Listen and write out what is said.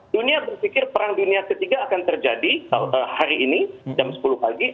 dunia berpikir perang dunia ketiga akan terjadi hari ini jam sepuluh pagi